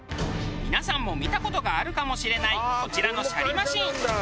皆さんも見た事があるかもしれないこちらのシャリマシン。